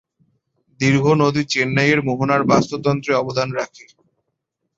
দীর্ঘ নদী চেন্নাইয়ের মোহনার বাস্তুতন্ত্রে অবদান রাখে।